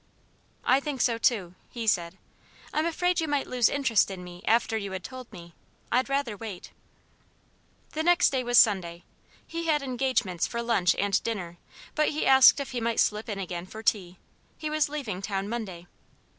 "I think so too," he said. "I'm afraid you might lose interest in me after you had told me. I'd rather wait." The next day was Sunday. He had engagements for lunch and dinner, but he asked if he might slip in again for tea; he was leaving town Monday.